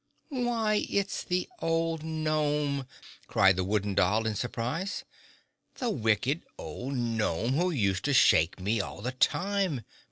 "Why, it's the old gnome!" cried the Wooden Doll in surprise. "The wicked old gnome who used to shake me all the time.